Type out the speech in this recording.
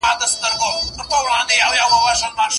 څنګه ډېر چاڼ د لوړ ږغ سره دلته راوړل کیږي؟